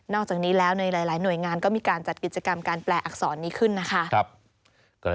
จากนี้แล้วในหลายหน่วยงานก็มีการจัดกิจกรรมการแปลอักษรนี้ขึ้นนะคะ